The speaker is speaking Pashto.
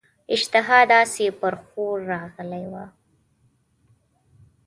اشتها داسي پر ښور راغلې وه.